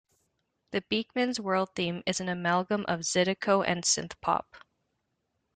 The "Beakman's World" theme is an amalgam of Zydeco and Synthpop.